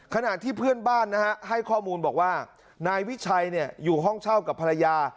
ขณะที่เพื่อนบ้านนะฮะให้ข้อมูลบอกว่านายวิชัยอยู่ห้องเช่ากับภรรยา